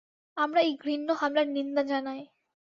আমরা এই ঘৃণ্য হামলার নিন্দা জানাই।